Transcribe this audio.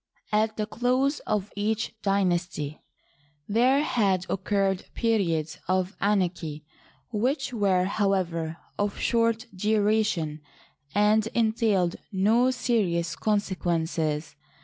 At the close of each dynasty there had occurred periods of anarchy, which were, however, of short duration, and en tailed no serious consequences.